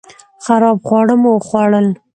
خراب خواړه مو وخوړل